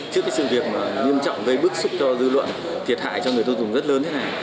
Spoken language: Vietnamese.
trước sự việc nghiêm trọng với bức xúc cho dư luận thiệt hại cho người tiêu dùng rất lớn như thế này